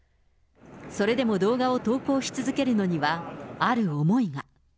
それでも動画を投稿し続けるのには、ある思いが。